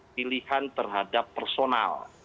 aspek pilihan terhadap personal